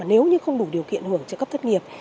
nếu như không đủ điều kiện hưởng trợ cấp thất nghiệp